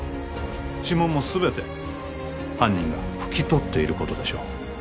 指紋も全て犯人が拭き取っていることでしょう